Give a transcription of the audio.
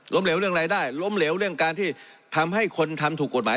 เหลวเรื่องรายได้ล้มเหลวเรื่องการที่ทำให้คนทำถูกกฎหมาย